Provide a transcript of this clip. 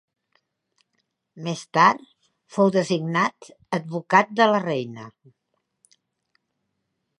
Més tard, fou designat advocat de la reina.